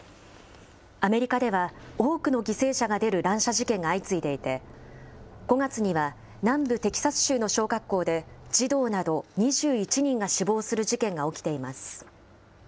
アメリカでは、多くの犠牲者が出る乱射事件が相次いでいて、５月には南部テキサス州の小学校で児童など２１人が死亡する事件が起きています。